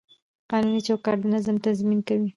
قانوني چوکاټ د نظم تضمین کوي.